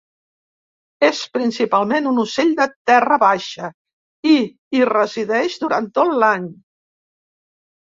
És principalment un ocell de terra baixa i hi resideix durant tot l'any.